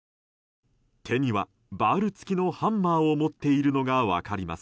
手には、バール付きのハンマーを持っているのが分かります。